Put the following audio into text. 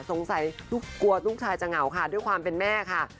กลัวลูกชายจะเหงาค่ะด้วยความเป็นแม่ค่ะ